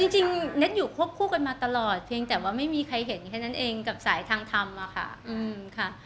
จริงเน็ตอยู่ควบคู่กันมาตลอดเพียงแต่ว่าไม่มีใครเห็นแค่นั้นเองกับสายทางธรรมอะค่ะ